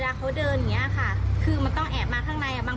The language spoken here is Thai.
ซึ่งจริงเขาจะพยายามชิดซ้ายอยู่แล้ว